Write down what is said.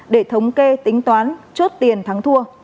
để thống kê tính toán chốt tiền thắng thua